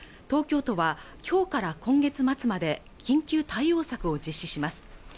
東京都はきょうから今月末まで緊急対応策を実施します